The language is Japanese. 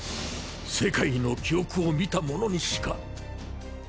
世界の記憶を見た者にしか。